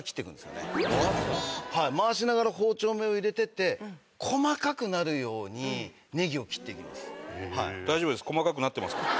回しながら包丁目を入れてって細かくなるようにネギを切っていきます。